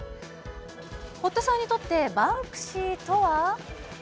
堀田さんにとって、バンクシーとは？